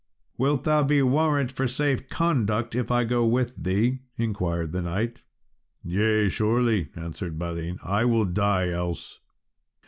"Wilt thou be warrant for safe conduct, if I go with thee?" inquired the knight. "Yea, surely," answered Balin, "I will die else."